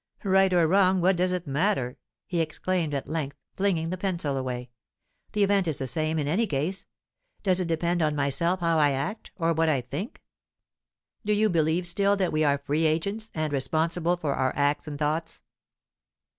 "Right or wrong, what does it matter?" he exclaimed at length, flinging the pencil away. "The event is the same, in any case. Does it depend on myself how I act, or what I think? Do you believe still that we are free agents, and responsible for our acts and thoughts?"